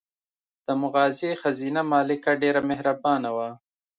د مغازې ښځینه مالکه ډېره مهربانه وه.